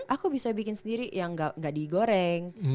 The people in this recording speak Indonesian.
aku bisa bikin sendiri yang nggak digoreng